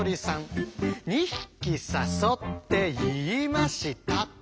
ひきさそっていいました」